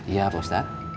iya pak ustadz